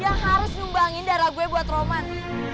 dia harus nyumbangin darah gue buat roman